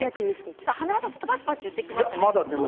華丸さんパチパチしてきました。